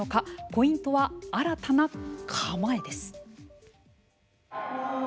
ポイントは、新たな構えです。